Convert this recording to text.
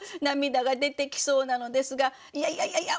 涙が出てきそうなのですが「いやいやいや。